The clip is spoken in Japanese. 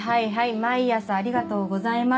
毎朝ありがとうございます